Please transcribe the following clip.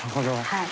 はい。